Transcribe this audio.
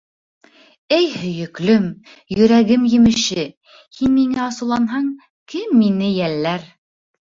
— Эй һөйөклөм, йөрәгем емеше, һин миңә асыуланһаң, кем мине йәлләр?